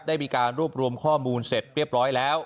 ได้มีการรวบรวมข้อมูลเสร็จเรียบร้อยแล้ว